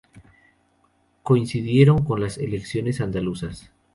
Coincidieron con las elecciones andaluzas.